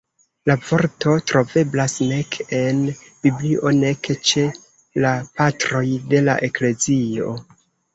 La vorto troveblas nek en Biblio nek ĉe "la Patroj de la Eklezio".